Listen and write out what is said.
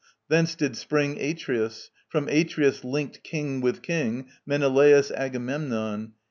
Thence did spring Atreus: from Atreus, linked king with king, Menelaus, Agamemnon.